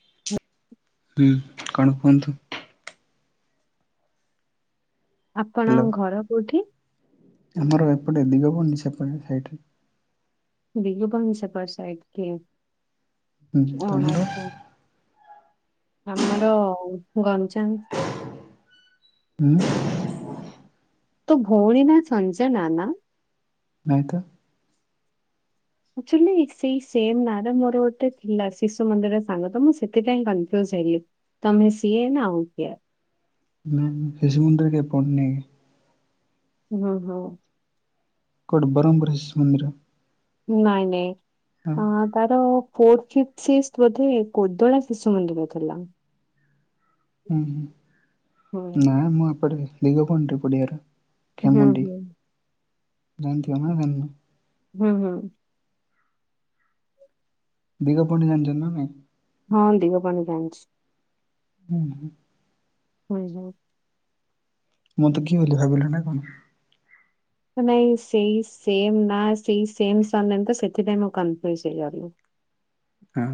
[unintelligible] ହୁଁ କଣ କୁହନ୍ତୁ? ଆପଣ ହ୍ୟାଲୋ ଙ୍କ୍ ଘର କୋଉଠି? ଆମର ଏପଟେ ଦିଗପଡି ସେପଟେ ସାଇଟ୍। [unintelligible] ସେପ ସାତ ହୁଁ ତମର [unintelligible] ଆମର ଗଞ୍ଜାମ। [inaudible] ତୋ ଭଉଣୀ ନା ସଂଞଜନା ନା? ନାଇ ତ। ଆଚୁଲି ସେଇ ସେମ୍ ନାଁ ରେ ମୋର ଗୋଟେ ଥିଲା ଶିଶୁ ମନ୍ଦିର ସାଙ୍ଗ ତ ମୁଁ ସେଥିପାଇଁ କନଫ୍ୟୁଜ ହେଲି। ତମେ ସିଏ ନା ଆଉ କିଏ? ନା ଶିଶୁ ମୁୁଣ୍ଡରେ କେବେ ପଢିନି। ହୁଁ ହୁଁ। କୁଆଡେ ବରହମପୁର ଶିଶୁମନ୍ଦିର [unintelligible] ନାଇଁ ନାଇଁ। ହଁ। [unintelligible] ଅ ତାର ଫଥ କି ଶିକ୍ସର୍ଥ ବୋଧେ କୋଦଳା ଶିଶୁ ମନ୍ଦିର ଥିଲା। [inaudible] ଉଁ ହୁଁ ନା ମୁଁ ଏପଡେ ଦିଗ ପହଣ୍ଡି ପଡିଆ ରେ। ହୁଁ ଖେମୁଣ୍ଡି ହୁଁ ଜାଣିଥିବ ନା ଜାଣନ? ହୁଁ ହୁଁ। ଦୀଗ ପହଣ୍ଡି ଯାଣିଛନ୍ତି ନା ନାଇଁ? ହଁ ଦିଗ ପହଣ୍ଡି ଜାଣ୍ଚି। ହୁଁ ହୁଁ। ପୁଣି ଯୋଉ ମୁଁ ଦୁଖୀ ବୋଲି ଭାବିଲ ନା କଣ? ନାଇଁ ସେଇ ସେମ୍ ନା ସେଇ ସେମ୍ ସାରନେମ୍ ତ ସେଥିପାଇଁ ମୁଁ କନଫ୍ୟୁଜ୍ ହେଇଗଲି। ଆଃ।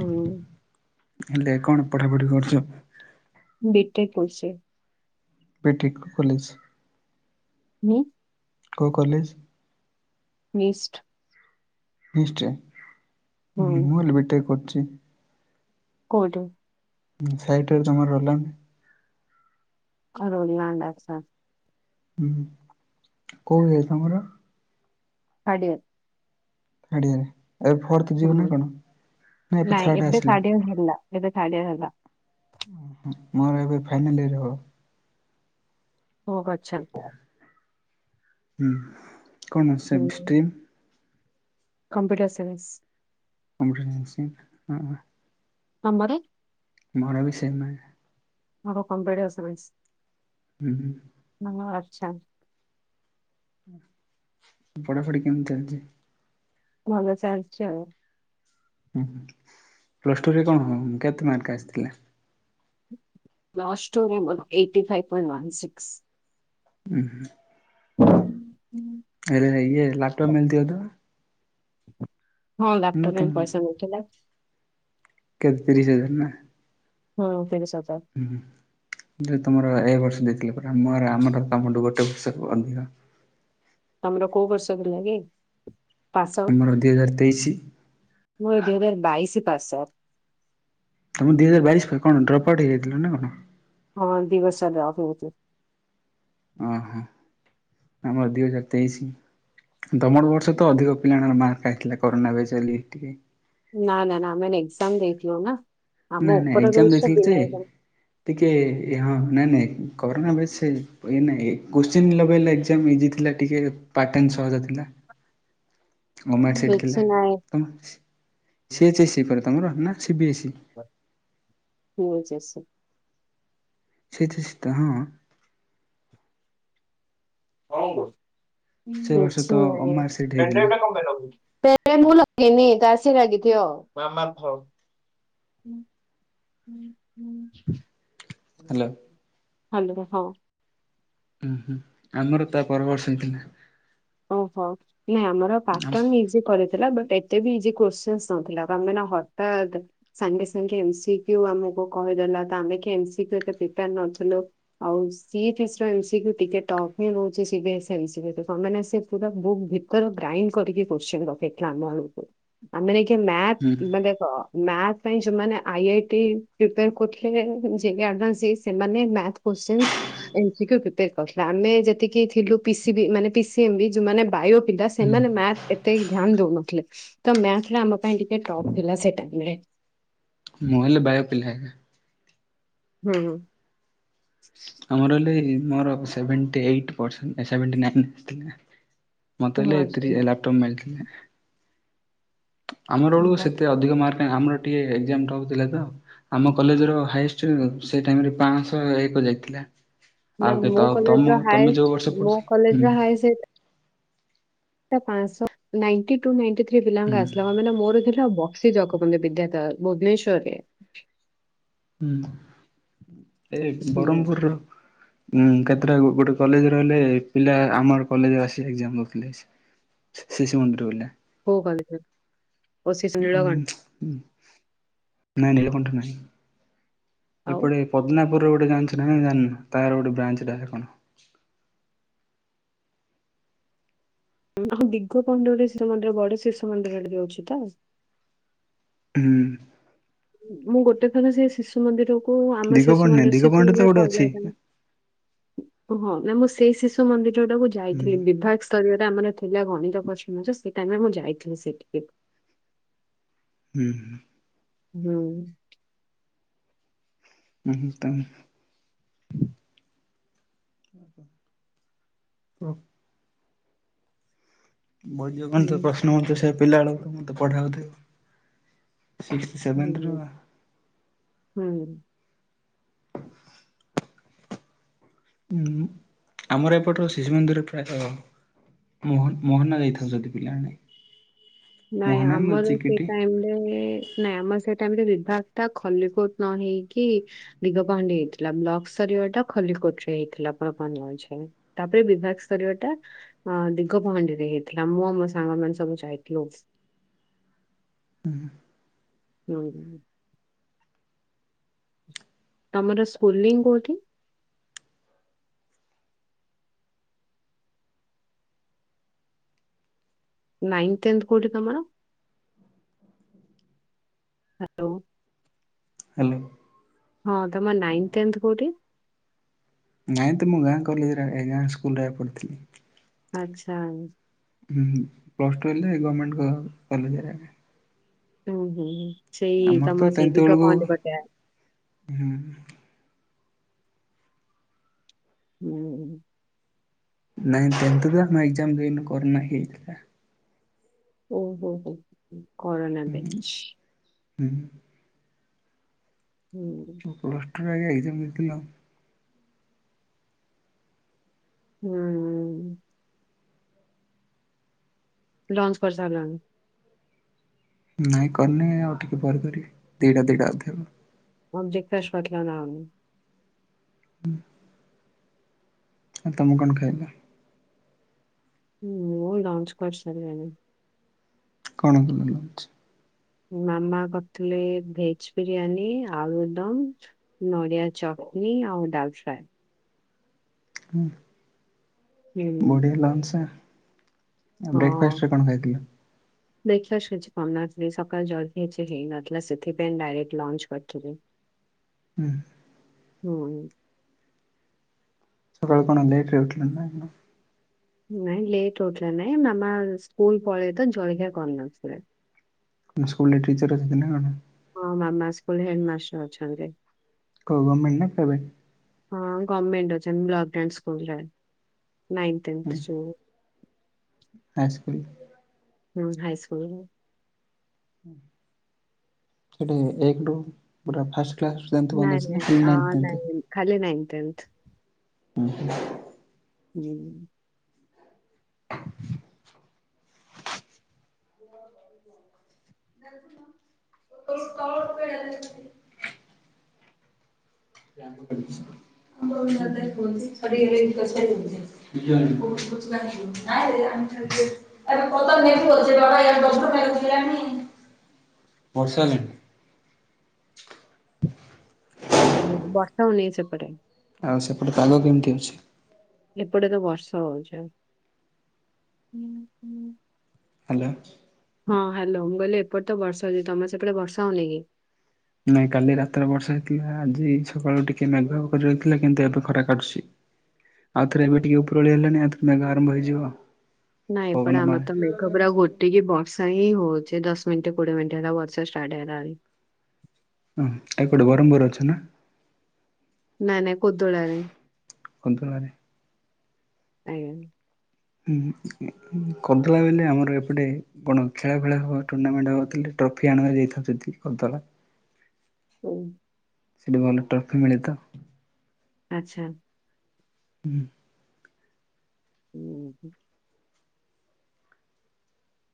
ହୁଁ। ହେଲେ କଣ ପଢାପଢି କରୁଚ? ମୁଁ ବିଟେକ କରୁଚି। ପିଠିକ୍ ଖୋଲିଚି। ହୁଁ। କୋଉ କଲେଜ୍? ମିଷ୍ଟ୍ ନିଶ୍ଚୟ ହୁଁ ମୁଁ ହେ ବିଟେଇ କରୁଚି। କଉଠେ? ସାଇଟି ରେ ଜମା ରହିଲାନି। ଅ ରଳିଆଣ୍ଡାସ [unintelligible] ହୁଁ କୋଉ ଇଏ ତମର? Third year. ଥାର୍ଡ ଇୟର ଏବେ ଫୋଥ? ହୁଁ ନାଇଁ ଏବେ ଆସିଲା ଥାର୍ଡ ଇୟର ହେଲା ଏବେ ଥାର୍ଡ ଇୟର ହେଲା। ଉଁ ହୁଁ ମୋର ଏବେ ଫାଇନିୟଲିଇ ହବ। ହୋ ଗଛନ୍। ହୁଁ କଣ ସେ ହୁଁ ଷ୍ଟ୍ରିମ୍? Computer science. କମ୍ପଟ ଜନ୍ସି ନ [unintelligible] ତମର? ମୋର ବି ସେମ୍। ମୋର କମ୍ପ୍ୟୁଟର ସାଇନ୍ସ। ହୁଁ। ନଙ୍ଗ ଅର୍ଛା [unintelligible] ପଢାପଢି କେମିତି ଚାଲିଚି? ଭଲ ଚାଲିଚି ଆଉ। ପ୍ଲସ ଟୁ ରେ କଣ କେତେ ମାର୍କ ଆସିଥିଲା? ପ୍ଲସ ଟୁ ମୋର ଏଇଟି ଫାଇ୍ ପଣ୍ଟନ୍ ସିକ୍ସ୍। [unintelligible] ହୁଁ। ହଁ [unintelligible] ଆରେ ଇଏ ଲାପଟପ୍ ମିଳିଥିବତ? ହଁ ନା ଲାଟୁ ତମ ନାଇଁ ପଇସା ନଉଥିଲା। କେତ ତିରିଶ ହଜାର ନା? ହଁ ତିରିଶ ହଜାର। ହୁଁ ଯେ ତମର ଏଇ ବର୍ଷ ଦେଇଥିଲେ ପରା ମୋର ଆମର ତମଠୁ ଗୋଟେ ବର୍ଷରୁ ଅଧିକ। ତମର କୋଉ ବର୍ଷ ଥିଲା କି? ଆମର ଦୁଇ ହଜାର ତେଇଶି। ମୋର ଦୁଇ ହଜାର ବାଇଶି ପାସ। ତମର ଦୁଇ ହଜାର ବାଇଶ ପାଇଁ କଣ ଡ୍ରପ୍ଆଉଟ ହେଇଯାଇଥିଲା ନା କଣ? ହଁ ଦିବସ ସା ଡଫ ଉଚୁ। ଓହୋ ଆମର ଦି ହଜାର ତେଇଶି। ଦମର ବର୍ଷ ତ ଅଧିକ ପିଲାଙ୍କର ମାର୍କ ଆଇଥିଲା କରୋନା ବ ଚା ଲିଫ୍ଟରେ। ନା ନା ନା ଆମେ ମାନେ ଏକ୍ଜାମ ଦେଇଥିଲୁ ନା ଆମ ନାଇଁ ନାଇଁ ଉପର ଏକ୍ଜାମ ଦେଇଥିଲି ଯେ [unintelligible] ଟିକେ ଏ ହଁ ନାଇଁ ନାଇଁ କରୋନା ବଛି ପ ଏଇନେ ଏ କୋଶ୍ଚିନ ଲେବଲ୍ ଏଜ୍ଜାମ୍ ଇଜି ଥିଲା ଟିକେ ପାଟନ ସହଜ ଥିଲା। ଗମେଣ୍ଟ୍ ସିଟି ଥିଲା ତମ ସିଏଚେ ଏସ୍ ସି ପରେ ତମର ନା ସିିବି ଏ ସି? ପା ପି ଏ ଚେ ସି। ସେଇତ ସେଇତ ହଁ। କଣ ସେ ବର୍ଷ ତ ଅମାର ସିଟ୍ ହେଇଥିଲା [unintelligible] [unintelligible] ତାସୀ ଲାଗି ଥିବ ମା ମା ମ ଉଁ। [unintelligible] ହ୍ୟାଲୋ ହାଲୋ ହଁ। ଉଁ ହୁଁ ଆମର ତା ପରବର୍ଷ ହେଇଥିଲା। ଓହୋ ନାଇଁ ଆମର ପାଟନ ହେଇଛି। ଯି କରିଥିଲା ବଟ ଏତେ ବି ଇଜି କୋଶ୍ଚିସିଂ ନଥିଲା ଆମେ ନା ହଠାତ୍ ସାଙ୍ଗେ ସାଙ୍ଗେ ଏମସିକ୍ୟୁ ଆମକୁ କହିଦେଲା ତ ଆମେ କି ଏମସିକ୍ୟୁ ଏ ତେ ପ୍ରିପାର ନଥିଲୁ। ଆଉ ସିଏ ଫ୍ରିଏସ ଏମସିକ୍ୟୁ ଟିକେ ଟଫ ହିଁ ରହୁଛି ସିବିଏସେ ଏମ୍ସିକ୍ୟୁ [unintelligible] ମାନେ ସ ସେ ପୁରା ବୁକ୍ ଭିତରେ ଗ୍ରାଇଣ୍ଡ କରିକି କୋଶ୍ଚିନ ପକେଇଥିଲା ଆମ ବଳକୁ। ଆମେ ଦେଖା ହୁଁ ମ୍ୟାଥ ମନେ କ? ମ୍ୟାଥ ପାଇଁ ଯୋଉମାନେ ଆଇ ଆଇଟି ପ୍ରିପେର କରୁଥିଲେ [unintelligible] ସେମାନେ ମ୍ୟାଥ କୋଶ୍ଚିନସ୍ ଏମସିକ୍ୟୁ ପ୍ରିପେର କରୁଥିଲୁ ଆମେ ଯେତିକି ଥିଲୁ ପି ସି ବି ମାନେ ପି ସି ତି ଏମମ୍ପି ଯୋଉମାନେ ବାୟୋ ପିଲା ହୁଁ ସେମାନେ ମ୍ୟାଥ ଏତେ କି ଧ୍ୟାନ ଦଉନଥିଲେ। ତ ମ୍ୟାଥ ଟା ଆମ ପାଇଁ ଟିକେ ଟପ୍ ଥିଲା ସେଇ ଟାଇମ୍ ରେ। ମୁଁ ହେଲେ ବାୟୋ ପିଲା। ହୁଁ ହୁଁ। ଆମର ହେଲେ ମୋର ସେଭେଣ୍ଟି ଏଇଟି ପର୍ସେଣ୍ଟ ଏ ସେଭେଣ୍ଟି ନାଇନ୍ ଆସିଥିଲା। ମତେ ହେଲେ ଏତିରେ ହଁ ଲାପଟପ୍ ମିଳିଥିଲା। ଆମର ବେଳକୁ ସେତେ ଅଧିକ ମାର୍କ କାଇଁ ଆମର ଟିକେ ଏକ୍ଜାମ ରହୁଥିଲା ତ? ଆମ କଲେଜ ର ହାଏଷ୍ଟ ସେ ଟାଇମରେ ପାଞ୍ଚଶହ ଏକ ଯାଇଥିଲା ନା ଆଉ କେ ମୋ ତ କଲେଜର ତମ ତମେ ଯୋଉ ହାଏଷ୍ଟ ବର୍ଷ ମୋ ପଢୁଛ ହୁଁ। କଲେଜର ଟା ପାଞ୍ଚସ ନାଇଣ୍ଟି ଟୁ ନାଇଣ୍ଟି ଥ୍ରୀ ପିଲା ବିିଲଙ୍ଗ ହୁଁ ଆସିଲ ହଁ ମାନେ ମୋର ଥିଲା ବକ୍ସି ଜଗବନ୍ଧୁ ବିଦ୍ୟାଧର ଭୁବନେଶ୍ଵର ରେ। ହୁଁ ଏ ହୁଁ ବରମପୁରୁର। ଉଁ କେତେଟା କୁ ଗୋଟେ କଲେଜ ରହିଲେ ପିଲା ଆମର କଲେଜ ଆସି ଏଜାମ୍ ଦେଉଥିଲେ ସିଏ। ଶିଶୁ ମନ୍ଦିର ପିଲା। କୋଉ କଲେଜ୍ ର? ନାଇଁ ନୀଳକଣ୍ଠ ନାଇଁ। ଆଉ ଏପଟେ ପଦ୍ଦନାପୁର ର ଗୋଟେ ଯାଞ୍ଚ ନା ଜା ତାର ଗୋଟେ ବ୍ରାଞ୍ଚ ଟା କଣ? ହଁ ଦିଗପହଣ୍ଡ ଶିଶୁ ମନ୍ଦିର ବଡ ଶିଶୁ ମନ୍ଦିର ରେ ଅଛି ତ? ହୁଁ ମୁଁ ଗୋଟେ ଥରେ ସେ ଶିଶୁ ମନ୍ଦିରକୁ ଆମର ଶିଶୁ ଦିଗପହଣ୍ଡି ନାଇଁ ମନ୍ଦିର ଶିଶୁ ଦିଗପହଣ୍ଡିରେ ତ ମନ୍ଦିର ଗୋଟେ ଅଛି ପହିଲାଣି। ହଁ ନା ମୁଁ ସେଇ ଶିଶୁ ମନ୍ଦିର ଟାକୁ ହୁଁ ଯାଇଥିଲି ବିଭାଗ ସ୍ତରୀୟରେ ଆମର ଥିଲା ଗଣିତ ପସ ସେଇ ଟାଇମରେ ମୁଁ ଯାଇଥିଲି ସେଠିକି। ହୁଁ ହୁଁ ହୁଁ ହୁଁ ତମ ହଁ ହୁଁ ପ୍ରଶ୍ନ ହ ସେ ପିଲା ବେଳକୁ ତ ମତେ ପଢାଥିବ ହୁଁ ହୁଁ ଉଁ ଆମର ଏପଟ ଶିଶୁ ମନ୍ଦିର ପ୍ରାୟତ ମୋହନ ମୋହନା ଯାଇଥାଉଛନ୍ତି ପିଲା ନାଇଁ ନାଇଁ ଆମର ସେ ଟାଇମରେ ନାଇଁ ଆମର ସେଇଟାଇମ ବିଭାଗ ଟା ଖଲିିକୋଟ୍ ନ ହେଇକି ଦିଗ ପାହାଣ୍ଡି ହେଇଥିଲା ବ୍ଲକ ସ୍ତରୀୟ ଟା ଖଲିକୋଟ ରେ ହେଇଥିଲା ଆପଣ କଣ ଜାଣିଛନ୍ତି ତାପରେ ବିଭାଗ ସ୍ତରୀୟ ଟା ଅ ଦିଗ ପହଣ୍ଡିରେ ହେଇଥିଲା ମୁଁ ଆମ ସାଙ୍ଗ ମାନ ସବୁ ଯାଇ ନମସ୍କାର ହୁଁ ହୁଁ ତମର ସ୍କୁଲିଂ କୋଉଠି? ନାଇନ୍ ଟେନ୍ଥ କୋଉଠି ତମର? ହ୍ୟାଲୋ ହେଲୋ ହଁ ତମର ନାଇନ୍ଥ ଟେନ୍ଥ କୋଉଠି? ନାଇଁ ତ ମୁଁ ଗାଁ କଲେଜରେ ଏ ଗାଁ ସ୍କୁଲରେ ପଢିଥିଲି। ଆଚ୍ଛା ହୁଁ ପ୍ଲସ୍ ଟୁ ହେଲେ ଗଭର୍ଣ୍ଣମେଣ୍ଟ କଲେଜରେ। ହୁଁ ହୁଁ ହଁ ସେଇ ଆମର ତ ତମା ସେଇ ଟେନ୍ଥ ଦିଗ ବେଳକୁ ପହଣ୍ଡ ହୁଁ ହୁଁ ନାଇଁ ଟେନ୍ଥ ଦ ଆମ ଏକ୍ଜାମ ଦେଇନୁ କରୋନା ହେଇଥିଲା। ଓ ହୋ ହୋ କରନା ବେଚ। ହୁଁ। ହୁଁ। ପ୍ଲସ ଟୁରେ ଆଗ ଏକଜାମ ଦେଇଥିଲ। ହୁଁ। ଲଞ୍ଚ କରିସାରିଲନି? ନାଇଁ କରିନି ଆଉ ଟିକେଏ କରିବି ଦିଇଟା ଦିଇଟା ଅଧେ। କଣ ବ୍ରେକ ଫାଷ୍ଟ କରିଥିଲ ନା କଣ? ତମେ କଣ ଖାଇଲ? ମୁଁ ଲଞ୍ଚ କରିସାରିଲିଣି। କଣ ଭଲ ଲାଗୁଛି। ମାମା କରିଥିଲେ ଭେଜ ବିରିୟାନୀ ଆଳୁଦମ। ନଡ଼ିଆ ଚଟନି ଆଉ ଡାଲ ଫ୍ରାଏ। ହୁଁ ହ ବଢ଼ିଆ ଲନ୍ସ। ଆଉ ବ୍ରେକ୍ଫାଷ୍ଟ ରେ କଣ ଖାଇଥିଲ? ବ୍ରେକ ଫାଷ୍ଟ କିଛି କରି ନଥିଲି ସକାଳୁ ଜଲଦି କିଛି ହେଇନଥିଲା ସେଥିପାଇଁ ଡାଇରେଟ ଲଞ୍ଚ କରିଥିଲି। ହୁଁ। ସୁବୁନି। ସକାଳେ କଣ ଲେଟ୍ରେ ଉଠିଲ ନା କଣ। ନାଇଁ ଲେଟ ଓଠଲା ନାଇଁ ମାମା ସ୍କୁଲ ପଳେଇ ତ ଜଳଖିଆ କରିନଥିଲେ। ସ୍କୁଲ ରେ ଟିଚର୍ ଅଛନ୍ତିିନା କଣ? ହଁ ମାମା ସ୍କୁଲ ହେଡ ମାଷ୍ଟର ଅଛନ୍ତି। କ ଗର୍ଣମେଣ୍ଟ ନା ପ୍ରାଇଭେଟ? ହଁ ଗଭମେଣ୍ଟ ଅ୍ଛନ୍ତି ବ୍ଲକ [unintelligible] ସ୍କୁଲ ରେ ନାଁଇଟିନ୍ ହୁଁ କ୍ସୂଲ୍। High school. ହୁଁ ହାଇସ୍କୁଲ। ଗୋଟେ ଏକଦୁ ପୁରା ଫାସ୍କ୍ଲାସ। ତେନ୍ଥ ନାଇଁ ପର୍ଯ୍ୟନ୍ତ ନା ନାଇଁ କି ଆ ନାଇଁଥ ତେଁଥ। ନାଇଁ ଖାଲି ନାଇନ୍ଥ ଟେନ୍ଥ। [unintelligible] ହୁଁ। [inaudible] [unintelligible] ହୁଁ। [unintelligible] [unintelligible] [unintelligible] ବର୍ଷାହେଲାଣୀ। [inaudible] ହାଲୋ ବର୍ଷା ହୋଉନେକି ସେପଟେ। ଆଉ ସେପଟେ ପାଗ କେମିତି ଅଛି? ଏପଟେ ତ ବର୍ଷା ହଉଛି ଆଉ। ହ୍ୟାଲୋ। ହଁ ହ୍ୟାଲୋ ମୁଁ କହିଲି ଏପଟେ ତ ବର୍ଷା ହଉଛି ତମେ ସେପଟେ ବର୍ଷା ହଉନି କି? ନାଇଁ କାଲି ରାତିର ବର୍ଷା ହେଇଥିଲା ଆଜି ସକାଳୁ ଟିକେ ମେଘ କରି ରହିଥିଲା କିନ୍ତୁ ଏବେ ଖରା କାଟୁଛି। ଆଉଥରେ ଏବେ ଟିକେ ଉପରଳି ହେଲାଣି ଆଉଥରେ ମେଘ ଆରମ୍ଭ ହେଇଯିବ। ନାଇଁ ପବନ ଏପଟେ ମା ଆମ ର ତ ମେ ଘ ପୁରା ଘୋଟିକି ବର୍ଷା ହିଁ ହଉଛି ଦସ୍ ମିନିଟ କୋଡିଏ ମିନିଟ ହେଲା ବର୍ଷା ଷ୍ଟାର୍ଟ ହେଲାଣି। ଉଁହୁଁ ତା କୋଟି ବରହମ୍ପୁରେ ଅଚ୍ଛନା। ନାଏ ନାଏ କୋଦଳାରେ କନ୍ତଳାରେ ଆଜ୍ଞା। ଉଁ ହୁଁ କୋଦଳାରେ ବୋଇଲେ ଆମର ଏପଟେ କଣ ଖେଳା ଫେଳା ହବ ଟୁର୍ଣାମେଣ୍ଟ ହଉ ଥିଲେ ଟ୍ରଫି ଆଣୁଭାରି ଯାଇଥାନ୍ତା ସେତିକି କରଦେଲା। [inaudible] ସେଟି ଗଲେ ଟ୍ରଫି ମିଳେତ। ଆଚ୍ଛା। ହୁଁ। ଉଁ ହୁଁ ହୁଁ।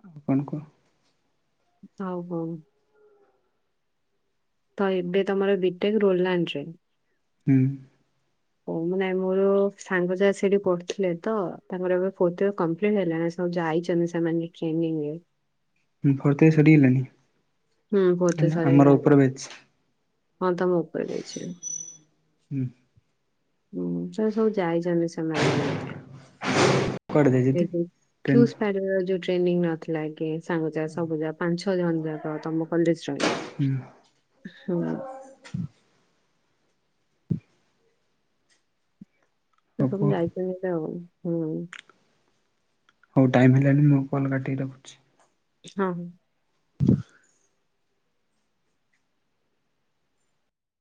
ଆଉଁ କଣ କୁହ? ହୋଉ ହୋଉ। ତ ଏବେ ତମର ବିଟେକ୍ ରୋଲାଣ୍ଡରେ? ହୁଁ। ହୋଉ ନାଇଁ ମୋର ସାଙ୍ଗ ଯାକ ସେଠିଁ ପଢୁଥିଲେ ତ ତାଙ୍କର ଫୋର୍ଥୟର କମ୍ପ୍ଲିଟି ହେଲା। ସବୁ ଯାଇଛନ୍ତି ସେମାନେ ଟ୍ରେନିଂରେ। ଉଁ ଫୋର୍ଥଇୟର ସରିିଗଲାଣିି? ହୁଁଉଁ ଫୋର୍ଥୟର ସରିଗଲାଣି ବ୍ୟାଚ୍ ହଁ ତମ ଉପରେ ବ୍ୟାଚରେ। ଉଁ ହୁଁ। ହୁଁ ସେମାନେ ସବୁ ଯାଇଛନ୍ତି ସ ସେମାନେ ଏଁ କୁଆଡ଼େ ଯାଇଛନ୍ତି? ସେଇ ଯଉଁ ଟ୍ରେନ୍ କ୍ଯୁସ୍ପାଇଡର ଯଉଠିଁ ଟ୍ରେନିଂ ନଥିଲା କି ସାଙ୍ଗ ଯାକ ସବୁ ଯାକ ପାଞ୍ଚ ଛ ଜଣ ଯାକ ତମ କଲେଜରଏ। ହେଇୟା। ସୁଉଁ। ହଉ ସେସବୁ କୁହ ଯାଇଛନ୍ତି ତ ଆଉଁ ହୁଁ। ହୋଉ ଟାଇମ୍ ହେଲାଣି ମୁଁ ଫୋନ କାଟିକି ରଖୁଛି। ହଁ। [inaudible]